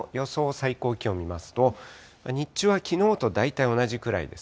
最高気温見ますと、日中はきのうと大体同じくらいです。